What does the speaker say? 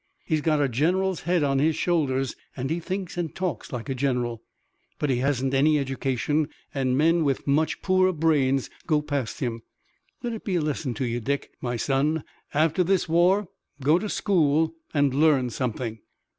He's got a general's head on his shoulders, and he thinks and talks like a general, but he hasn't any education, and men with much poorer brains go past him. Let it be a lesson to you, Dick, my son. After this war, go to school, and learn something."